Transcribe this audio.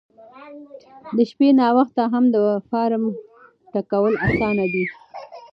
د شپې ناوخته هم د فارم ډکول اسانه دي.